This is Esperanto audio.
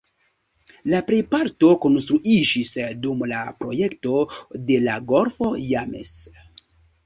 La plejparto konstruiĝis dum la projekto de la golfo James.